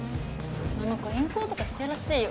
あの子援交とかしてるらしいよ。